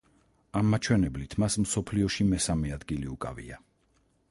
ამ მაჩვენებლით მას მსოფლიოში მესამე ადგილი უკავია.